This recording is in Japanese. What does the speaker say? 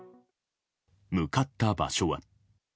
向かった場所は。